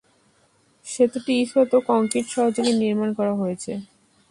সেতুটি ইস্পাত ও কংক্রিট সহযোগে নির্মাণ করা হয়েছে।